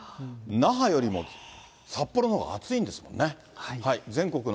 那覇よりも、札幌のほうが暑いんですもんね。